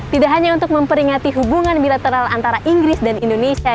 tidak hanya untuk memperingati hubungan bilateral antara inggris dan indonesia